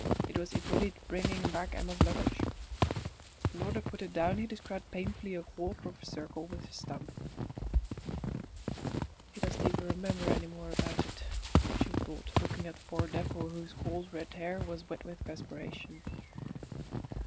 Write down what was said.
It was Hippolyte bringing back Emma's luggage. In order to put it down he described painfully a quarter of a circle with his stump. "He doesn't even remember any more about it," she thought, looking at the poor devil, whose coarse red hair was wet with perspiration.